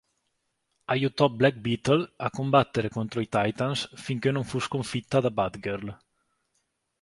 Aiutò Black Beetle a combattere contro i Titans finché non fu sconfitta da Batgirl.